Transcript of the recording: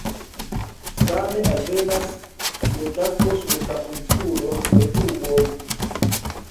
Same alvenas trinkakvo sur la insulon per tuboj.